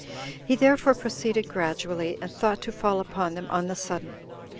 He therefore proceeded gradually, and thought to fall upon them on the sudden.